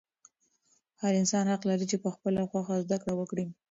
هر انسان حق لري چې په خپله خوښه زده کړه وکړي.